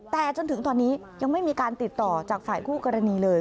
แต่จนถึงตอนนี้ยังไม่มีการติดต่อจากฝ่ายคู่กรณีเลย